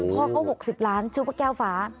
พ่อเขา๖๐ล้านชื่อว่าแก้วฟ้า